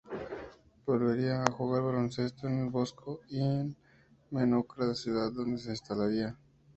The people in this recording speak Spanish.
Volvería a jugar al baloncesto en El Bosco en Menorca, ciudad donde se instalaría.